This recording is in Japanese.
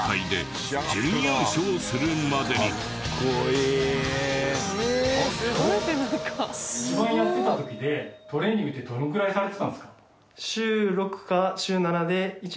一番やってた時でトレーニングってどのくらいされてたんですか？